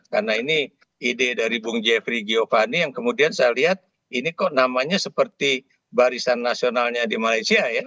karena ini ide dari bung jeffrey giovanni yang kemudian saya lihat ini kok namanya seperti barisan nasionalnya di malaysia ya